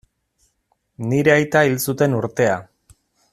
Nire aita hil zuten urtea.